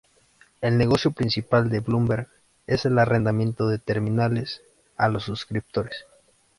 El negocio principal de Bloomberg es el arrendamiento de terminales a los suscriptores.